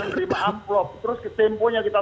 menerima amplop terus ke tempo yang kita